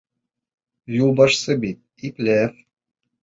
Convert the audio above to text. Юлбашсы бит, иплә-әп.